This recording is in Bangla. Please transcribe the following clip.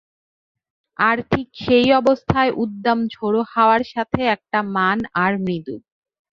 আর ঠিক সেই অবস্থায় উদ্দাম ঝোড়ো হাওয়ার সাথে একটা মান আর মৃদু।